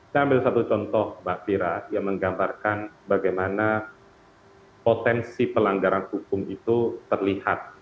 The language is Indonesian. saya ambil satu contoh mbak fira yang menggambarkan bagaimana potensi pelanggaran hukum itu terlihat